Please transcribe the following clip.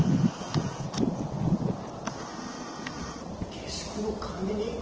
下宿の管理人？